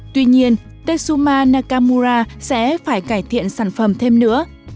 tuy nhiên tetsuma nakamura sẽ phải cải thiện sản phẩm thêm nữa